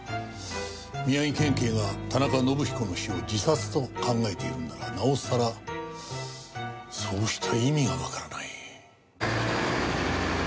宮城県警が田中伸彦の死を自殺と考えているのならなおさらそうした意味がわからない。